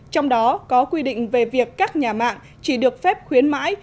trong đó có quy định về việc các nhà mạng chỉ được phép khuyến mãi